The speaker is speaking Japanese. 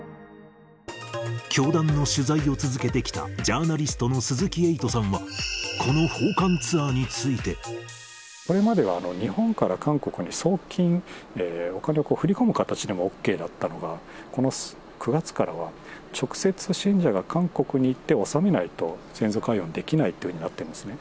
教団の取材を続けてきたジャーナリストの鈴木エイトさんは、この訪韓ツアーについて。これまでは日本から韓国に送金、お金を振り込む形でもＯＫだったのが、この９月からは、直接信者が韓国に行って納めないと、先祖解怨できないというふうになってますね。